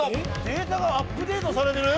データがアップデートされてる？